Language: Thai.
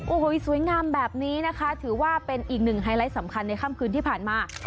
โอ้โหสวยงามแบบนี้นะคะถือว่าเป็นอีกหนึ่งไฮไลท์สำคัญในค่ำคืนที่ผ่านมา